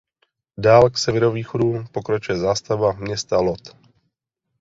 Dál k severovýchodu pokračuje zástavba města Lod.